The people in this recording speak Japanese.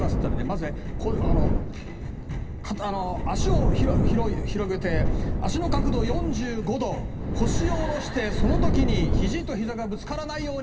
まずね足を広げて足の角度４５度腰を下ろしてその時にひじとひざがぶつからないように。